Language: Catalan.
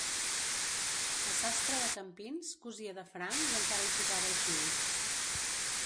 El sastre de Campins, cosia de franc i encara hi posava el fil.